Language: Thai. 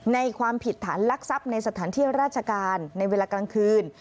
ความผิดฐานลักทรัพย์ในสถานที่ราชการในเวลากลางคืน